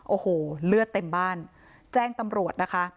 โอ้โหเลือดเต็มบ้านแจ้งตำรวจนะคะ